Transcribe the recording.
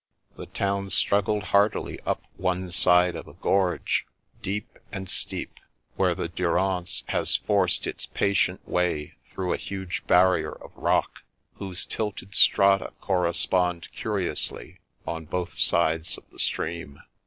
The town struggled hardily up one side of a gorge, deep and steep, where the Durance has forced its patient way through a huge barrier of rock whose tilted strata correspond curiously on both sides of the stream.